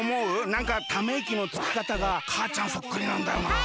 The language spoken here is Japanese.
なんかためいきのつきかたがかあちゃんそっくりなんだよなあ。